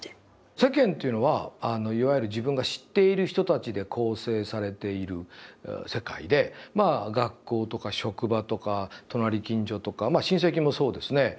「世間」っていうのはあのいわゆる自分が知っている人たちで構成されている世界でまあ学校とか職場とか隣近所とかまあ親戚もそうですね。